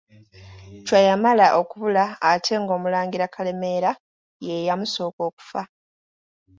Chwa yamala okubula ate ng'Omulangira Kalemeera ye yamusooka okufa.